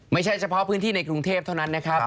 ไม่ใช่เฉพาะพื้นที่ในกรุงเทพเท่านั้นนะครับ